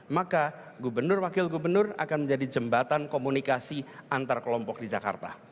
maka gubernur wakil gubernur akan menjadi jembatan komunikasi antar kelompok di jakarta